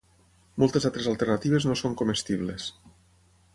Moltes altres alternatives no són comestibles.